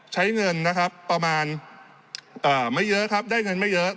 ใช้เงินนะครับประมาณไม่เยอะครับได้เงินไม่เยอะ